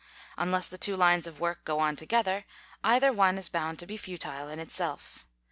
Un less the two lines of work go on together, either one is bound to be futile in itself.